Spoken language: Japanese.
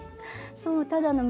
そうただの水。